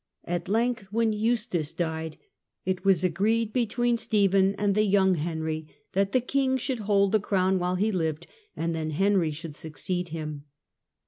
At length, when Eustace died, it was agreed between Stephen and the young Henry that the king should hold the crown while he lived, and then Henry should succeed him.